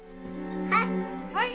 はい！